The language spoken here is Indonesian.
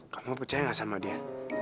kamu percaya gak sama dia